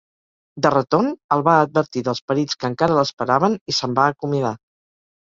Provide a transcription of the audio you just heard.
De retorn, el va advertir dels perills que encara l'esperaven i se'n va acomiadar.